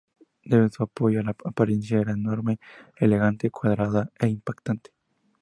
Debe su apodo a su apariencia: era enorme y elegante, cuadrada e impactante.